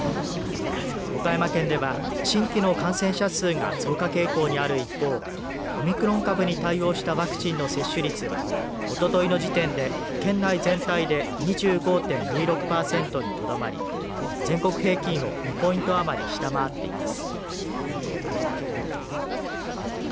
岡山県では新規の感染者数が増加傾向にある一方オミクロン株に対応したワクチンの接種率はおとといの時点で県内全体で２５．２６パーセントにとどまり全国平均を２ポイント余り下回っています。